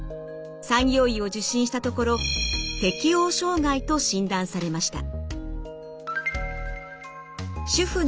産業医を受診したところ適応障害と診断されました。